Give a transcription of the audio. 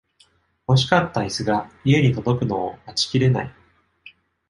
欲しかったイスが家に届くのを待ちきれない